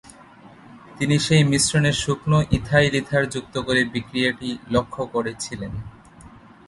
তিনি সেই মিশ্রণে শুকনো ইথাইল ইথার যুক্ত করে বিক্রিয়াটি লক্ষ্য করেছিলেন।